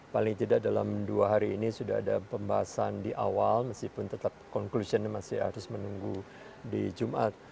paling tidak dalam dua hari ini sudah ada pembahasan di awal meskipun tetap conclusion masih harus menunggu di jumat